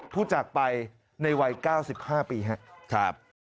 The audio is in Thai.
จากไปในวัย๙๕ปีครับ